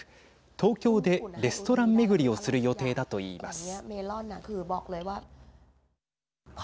東京でレストラン巡りをする予定だといいます。